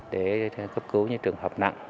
để cấp cứu những trường hợp nặng